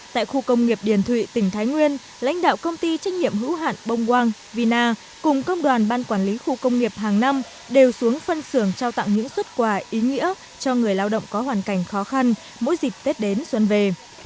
tại khu công nghiệp điền thụy tỉnh thái nguyên lãnh đạo công ty trách nhiệm hữu hạn bông vina cùng công đoàn ban quản lý khu công nghiệp hàng năm đều xuống phân xưởng trao tặng những xuất quả ý nghĩa cho người lao động có hoàn cảnh khó khăn mỗi dịp tết đến xuân về